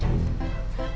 gak mungkin pak muhyiddin